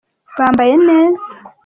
bambaye neza.